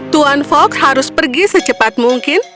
tuan fox harus pergi secepat mungkin